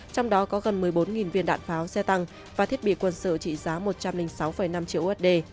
trong đó có gần một mươi bốn viên đạn pháo xe tăng và thiết bị quân sự trị giá một trăm linh sáu năm triệu usd